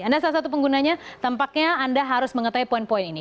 anda salah satu penggunanya tampaknya anda harus mengetahui poin poin ini